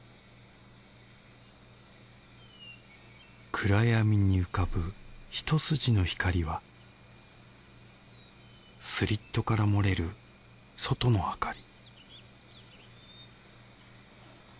暗闇に浮かぶ一筋の光はスリットから漏れる外の明かり